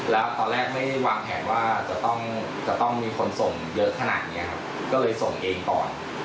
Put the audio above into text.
แล้วตอนแรกไม่ได้วางแผนว่าจะต้องมีคนส่งเยอะขนาดนี้ครับก็เลยส่งเองก่อน